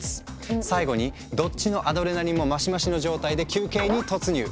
最後にどっちのアドレナリンもマシマシの状態で休憩に突入。